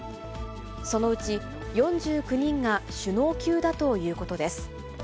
そのうち４９人が首脳級だということです。